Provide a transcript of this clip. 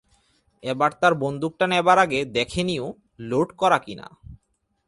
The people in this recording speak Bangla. এবার তার বন্দুকটা নেবার আগে দেখে নিও লোড করা কি না।